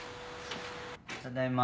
ただいま。